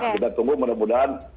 kita tunggu mudah mudahan